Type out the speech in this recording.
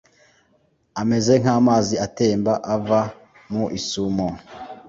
ameze nk’amazi atemba ava mu isumo.